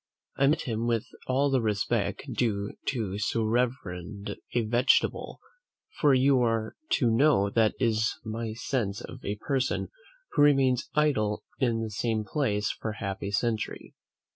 I met him with all the respect due to so reverend a vegetable; for you are to know that is my sense of a person who remains idle in the same place for half a century.